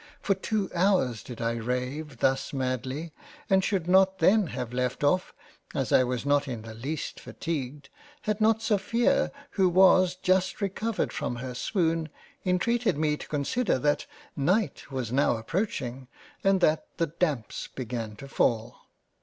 For two Hours did I rave thus madly and should not then have left off, as I was not in the least fatigued, had not Sophia who was just recovered from her swoon, intreated me to consider that Night was now approaching and that the Damps began to fall.